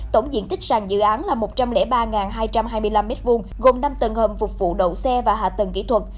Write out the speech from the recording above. tổng diện tích sàn dự án là một trăm linh ba hai trăm hai mươi năm m hai gồm năm tầng hầm phục vụ đậu xe và hạ tầng kỹ thuật